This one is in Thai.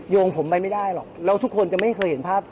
งผมไปไม่ได้หรอกแล้วทุกคนจะไม่เคยเห็นภาพ